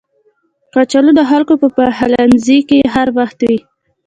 کچالو د خلکو په پخلنځي کې هر وخت وي